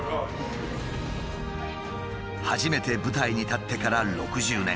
初めて舞台に立ってから６０年。